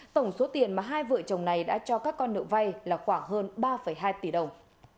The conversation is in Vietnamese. tổng số tiền mà hai vợ chồng này đã cho các con nợ vay là khoảng hơn ba hai tỷ đồng